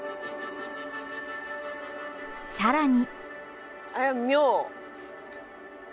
更に。